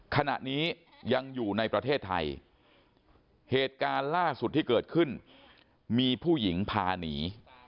ขณะนี้ยังอยู่ในประเทศไทยเหตุการณ์ล่าสุดที่เกิดขึ้นมีผู้หญิงพาหนี